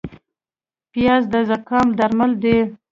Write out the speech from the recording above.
پیاز د زکام درمل دی